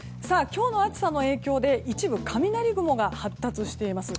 今日の暑さの影響で一部雷雲が発達しています。